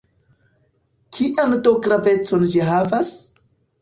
Kian do gravecon ĝi havas?